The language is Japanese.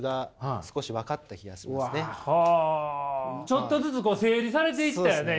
ちょっとずつ整理されていったよね？